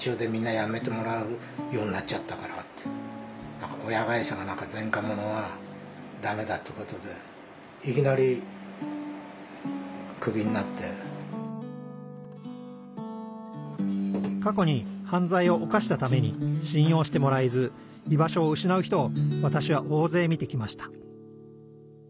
何か親会社が過去に犯罪を犯したために信用してもらえず居場所を失う人をわたしは大勢見てきました。